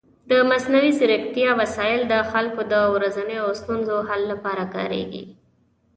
د مصنوعي ځیرکتیا وسایل د خلکو د ورځنیو ستونزو حل لپاره کارېږي.